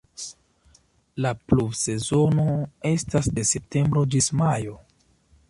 La pluvsezono estas de septembro ĝis majo.